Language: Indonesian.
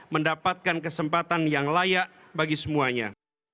mendapatkan kesempatan yang layak bagi semuanya